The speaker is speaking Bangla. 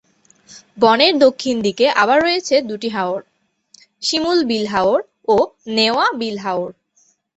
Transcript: বনের দক্ষিণ দিকে আবার রয়েছে দুটি হাওর: শিমুল বিল হাওর ও নেওয়া বিল হাওর।